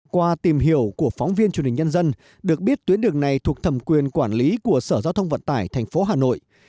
qua tìm hiểu của phóng viên truyền hình nhân dân được biết tuyến đường này thuộc thẩm quyền quản lý của sở giao thông vận tải tp hà nội